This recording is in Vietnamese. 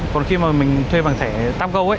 còn khi mà mình thuê bằng thẻ tapgo